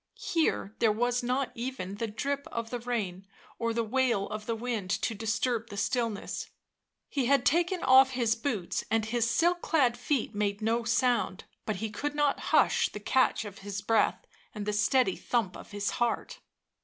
Here there was not even the drip of the rain or the wail of the 'wind to disturb the stillness; he had taken off his boots, and his silk clad feet made no sound, but he could not hush the catch of his breath and the steady thump of his heart.